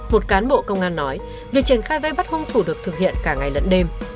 một cán bộ công an nói việc triển khai vây bắt hung thủ được thực hiện cả ngày lẫn đêm